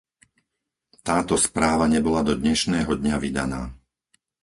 Táto správa nebola do dnešného dňa vydaná.